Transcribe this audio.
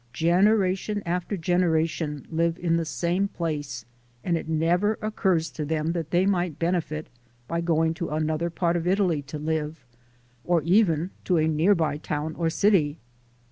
Generation after generation live in the same place and it never occurs to them that they might benefit by going to another part of Italy to live, or even to a nearby town or city.